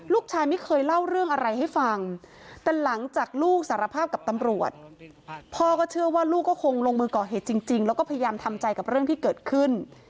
ลูกชายไม่เคยเล่าเรื่องอะไรให้ฟังแต่หลังจากลูกสารภาพกับตำรวจพ่อก็เชื่อว่าลูกก็คงลงมือก่อเหตุจริงแล้วก็พยายามทำใจกับเรื่องที่เกิดขึ้น